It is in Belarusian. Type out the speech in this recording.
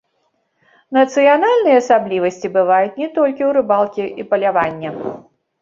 Нацыянальныя асаблівасці бываюць не толькі ў рыбалкі і палявання.